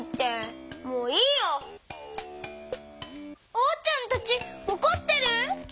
おうちゃんたちおこってる？